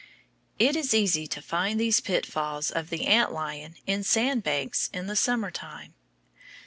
It is easy to find these pit falls of the ant lion in sand banks in the summer time.